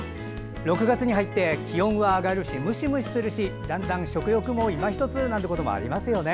６月に入って気温は上がるしムシムシするしだんだん食欲もいまひとつなんてこともありますよね。